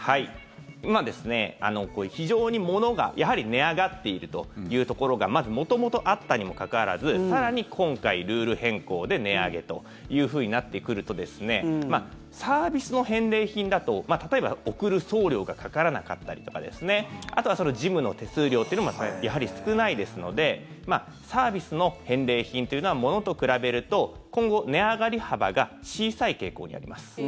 今、非常に物が値上がっているというところがまず元々あったにもかかわらず更に今回ルール変更で値上げというふうになってくるとサービスの返礼品だと例えば送る送料がかからなかったりとかあとは事務の手数料というのもやはり少ないですのでサービスの返礼品というのは物と比べると今後、値上がり幅が小さい傾向にあります。